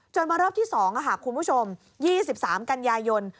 มารอบที่๒คุณผู้ชม๒๓กันยายน